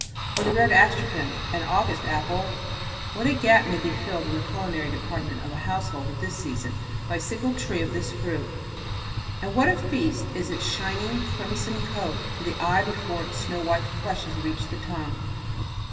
Or the red astrachan, an August apple, what a gap may be filled in the culinary department of a household at this season, by a single tree of this fruit! And what a feast is its shining crimson coat to the eye before its snow white flesh has reached the tongue.